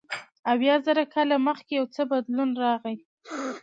اویا زره کاله مخکې یو څه بدلون راغی.